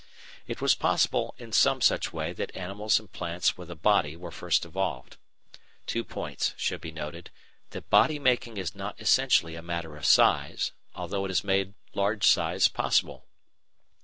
It was possibly in some such way that animals and plants with a body were first evolved. Two points should be noticed, that body making is not essentially a matter of size, though it made large size possible.